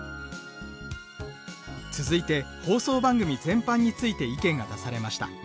続いて放送番組全般について意見が出されました。